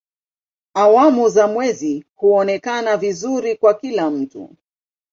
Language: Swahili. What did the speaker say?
Awamu za mwezi huonekana vizuri kwa kila mtu.